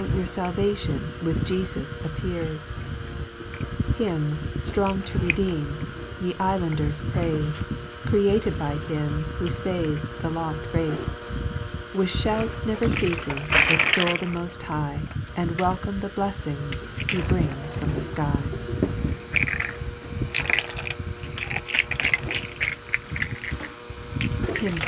your l'alvation, With Jcfus appears ! Him, flrong to redeem, Ye Iflanders praife, Created by him, Who faves the loft race; With fliouts never ceafing, Extol the Moft High, And welcome the blefiings, He brings from the iky.